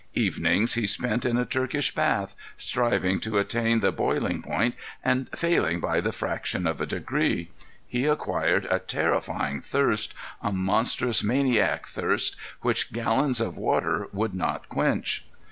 Evenings he spent in a Turkish bath, striving to attain the boiling point and failing by the fraction of a degree. He acquired a terrifying thirst—a monstrous, maniac thirst which gallons of water would not quench.